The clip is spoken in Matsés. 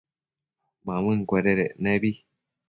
Mamëncuededec nebi